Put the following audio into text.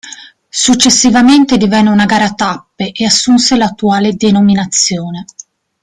Successivamente divenne una gara a tappe e assunse l'attuale denominazione.